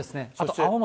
青森。